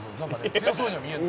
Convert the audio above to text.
強そうには見える」